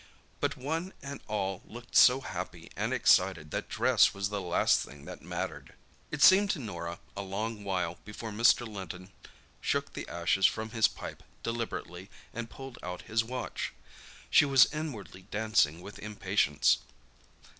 But one and all looked so happy and excited that dress was the last thing that mattered. It seemed to Norah a long while before Mr. Linton shook the ashes from his pipe deliberately and pulled out his watch. She was inwardly dancing with impatience.